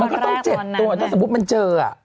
มันก็ต้อง๗ตัวถ้าสมมุติมันเจอ